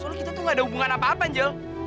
soalnya kita tuh gak ada hubungan apa apa angel